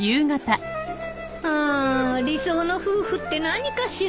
あ理想の夫婦って何かしら。